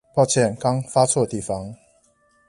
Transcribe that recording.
抱歉剛發錯地方